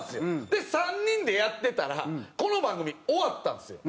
で３人でやってたらこの番組終わったんですよ。